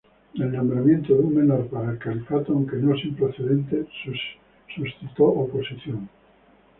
El nombramiento de un menor para el califato, aunque no sin precedentes suscitó oposición.